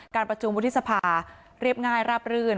การประชุมวุฒิสภาเรียบง่ายราบรื่น